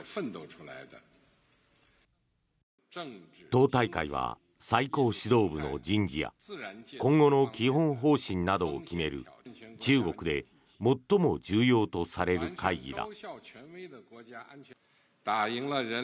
党大会は最高指導部の人事や今後の基本方針などを決める中国で最も重要とされる会議だ。